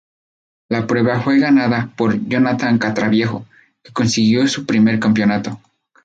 La prueba fue ganada por Jonathan Castroviejo, que consiguió su primer campeonato.